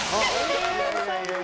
ありがとうございます。